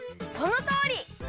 そのとおり！